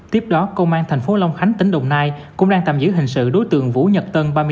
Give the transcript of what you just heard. tiếp đó công an thành phố long khánh tỉnh đồng nai cũng đang tạm giữ hình sự đối tượng vũ nhật tân